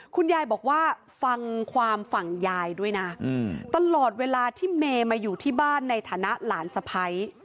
คุณยายบอกว่าฟังความฝั่งยายด้วยนะตลอดเวลาที่เมย์มาอยู่ที่บ้านในฐานะหลานสะพ้าย